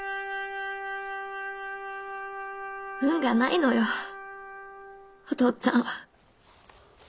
運がないのよお父っつぁんは。